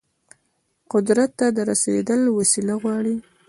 قدرت ته د رسیدل وسيله غواړي.